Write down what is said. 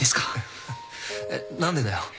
えっ何でだよ。